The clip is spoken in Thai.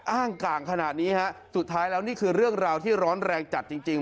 อ้างกลางขนาดนี้ฮะสุดท้ายแล้วนี่คือเรื่องราวที่ร้อนแรงจัดจริง